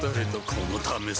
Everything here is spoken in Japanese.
このためさ